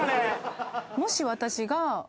もし私が。